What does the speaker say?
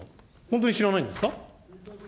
本当に知らないんですか。